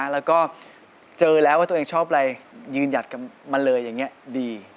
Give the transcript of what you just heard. แล้วก็เจอแล้วว่าตัวเองชอบอะไรยืนหยัดกันมาเลยอย่างนี้ดี